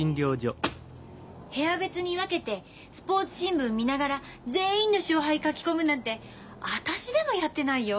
部屋別に分けてスポーツ新聞見ながら全員の勝敗書き込むなんて私でもやってないよ。